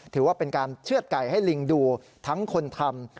ถือว่าเป็นการเชื่อดไก่ให้ลิงดูทั้งคนทำ